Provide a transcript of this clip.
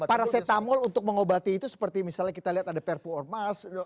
parasetamol untuk mengobati itu seperti misalnya kita lihat ada perpuormas